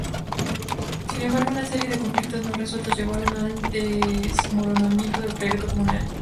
Sin embargo, una serie de conflictos no resueltos llevaron al desmoronamiento del proyecto comunal.